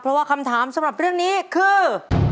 เพราะว่าคำถามสำหรับเรื่องนี้คือ